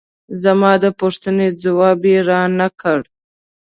زما د پوښتنې ځواب یې را نه کړ.